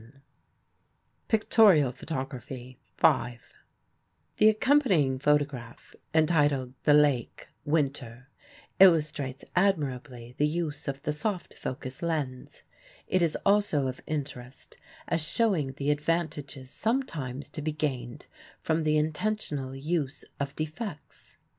ANDERSON THE LAKE, WINTER NATURE PHOTOGRAPHY] PHOTOGRAPHY Pictorial Photography FIVE The accompanying photograph entitled "The Lake, Winter," illustrates admirably the use of the soft focus lens. It is also of interest as showing the advantages sometimes to be gained from the intentional use of defects.